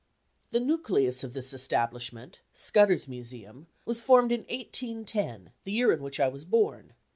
The nucleus of this establishment, Scudder's Museum, was formed in 1810, the year in which I was born.